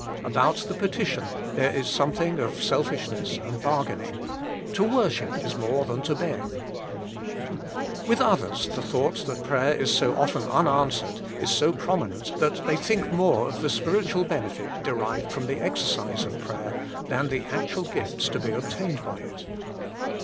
About the petition there is something of selfishness and bargaining to worship is more than to beg. With others the thought that prayer is so often unanswered is so prominent, that they think more of the spiritual benefit derived from the exercise of prayer than 2 INTRODUCTION the actual gifts to be obtained by it.